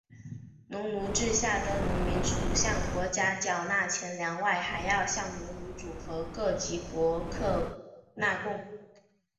农奴制下的农民除向国家缴纳钱粮外还要向农奴主和各级伯克纳贡。